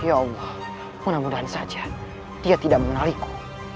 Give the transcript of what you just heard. ya allah mudah mudahan saja dia tidak mengenaliku